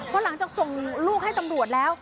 เพราะหลังจากส่งลูกให้ตำรวจแล้ว